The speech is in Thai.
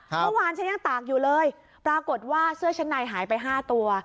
เมื่อวานฉันยังตากอยู่เลยปรากฏว่าเสื้อชั้นในหายไป๕ตัว